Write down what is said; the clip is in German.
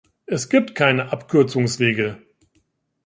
Es gibt keine Abkürzungswege.